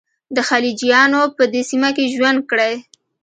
د خلجیانو په دې سیمه کې ژوند کړی.